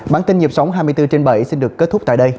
bản tin nhập sóng hai mươi bốn trên bảy xin được kết thúc tại đây